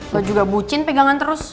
lalu juga bucin pegangan terus